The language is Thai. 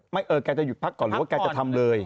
เออแกจะหยุดพักก่อนหรือว่าแกจะทำเลย